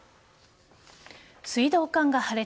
水道管が破裂。